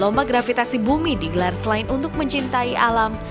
lomba gravitasi bumi digelar selain untuk mencintai alam